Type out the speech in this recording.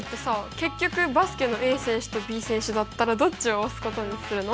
結局バスケのＡ選手とＢ選手だったらどっちを推すことにするの？